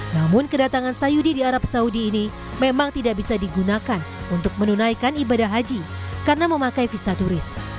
namun kedatangan sayudi di arab saudi ini memang tidak bisa digunakan untuk menunaikan ibadah haji karena memakai visa turis